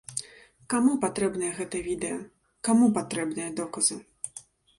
Каму патрэбнае гэтае відэа, каму патрэбныя доказы?